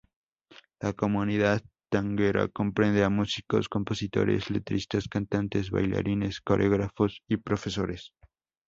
La comunidad tanguera comprende a músicos, compositores, letristas, cantantes, bailarines, coreógrafos y profesores.